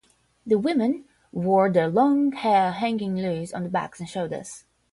The women wore their long hair hanging loose on their backs and shoulders.